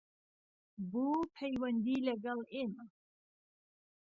بۆ پەیوەندی لەگەڵ ئێمە